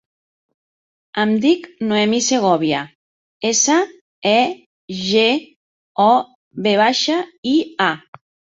Em dic Noemí Segovia: essa, e, ge, o, ve baixa, i, a.